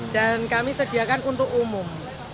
dan kami sediakan untuk umum